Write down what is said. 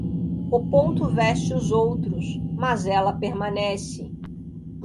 O ponto veste os outros, mas ela permanece.